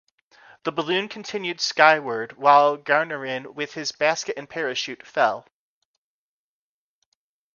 The balloon continued skyward while Garnerin, with his basket and parachute, fell.